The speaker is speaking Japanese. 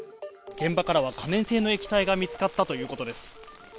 現場からは可燃性の液体が見つかったということです。